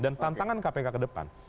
dan tantangan kpk ke depan